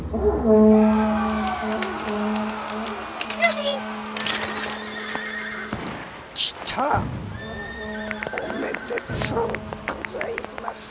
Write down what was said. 「おめでとうございます！！」。